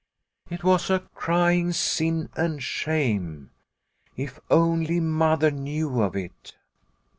It was a crying sin and shame. If only Mother knew of it